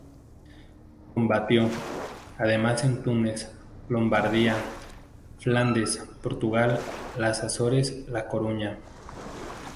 Combatió, además, en Túnez, Lombardía, Flandes, Portugal, las Azores, La Coruña.